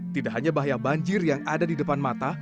tidak hanya bahaya banjir yang ada di depan mata